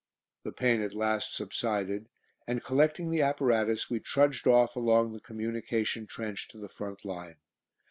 The pain at last subsided, and collecting the apparatus we trudged off along the communication trench to the front line.